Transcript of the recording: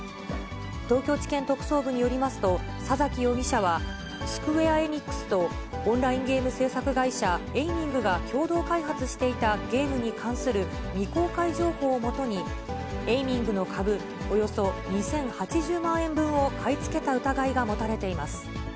東京地検特捜部によりますと、佐崎容疑者はスクウェア・エニックスとオンラインゲーム制作会社、エイミングが共同開発していたゲームに関する未公開情報を基に、エイミングの株およそ２８０万円分を買い付けた疑いが持たれています。